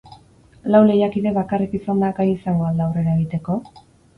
Lau lehiakide bakarrik izanda, gai izango al da aurrera egiteko?